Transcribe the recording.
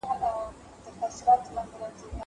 زه اوس د زده کړو تمرين کوم.